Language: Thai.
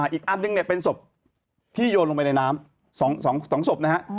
อีกอันนึงเนี่ยเป็นศพที่โยนลงไปในน้ำ๒ศพนะฮะ